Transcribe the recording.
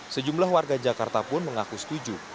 sejumlah warga jakarta pun mengaku setuju